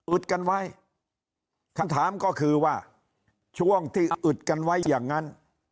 กันไว้คำถามก็คือว่าช่วงที่อึดกันไว้อย่างนั้น